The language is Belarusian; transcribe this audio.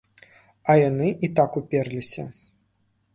А яны і так уперліся.